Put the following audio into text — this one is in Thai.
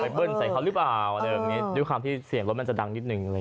ไปเบิ้ลใส่เขาหรือเปล่าด้วยความที่เสียงรถมันจะดังนิดหนึ่ง